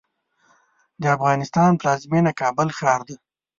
د افغانستان پلازمېنه کابل ښار دی.